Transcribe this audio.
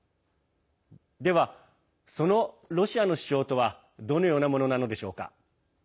では、そのロシアの主張とはどのようなものなのでしょうか。